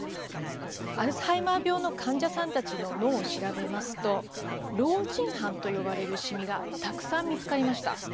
アルツハイマー病の患者さんたちの脳を調べますと老人斑と呼ばれる、しみがたくさん見つかりました。